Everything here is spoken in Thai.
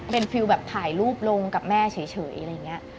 เป็นฟิลแบบถ่ายรูปลงกับแม่เฉยอะไรอย่างนี้